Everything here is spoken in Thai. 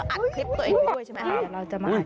อัดคลิปตัวเองไปด้วยใช่ไหม